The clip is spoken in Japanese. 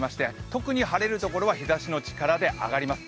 特に晴れるところは日ざしの力で上がります。